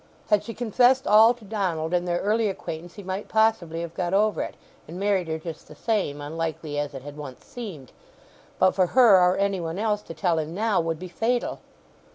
Had she confessed all to Donald in their early acquaintance he might possibly have got over it, and married her just the same—unlikely as it had once seemed; but for her or any one else to tell him now would be fatal.